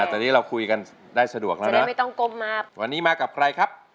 นี่ตอนนี้เราคุยกันได้สะดวกแล้วนะครับวันนี้มากับใครครับ